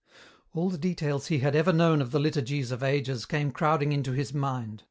All the details he had ever known of the liturgies of ages came crowding into his mind.